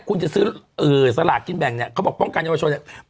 คุณจะซื้อสลากกิ้นแบงค์เนี่ยเขาบอกป้องกันการซื้อสลากของเยาวชนเนี่ย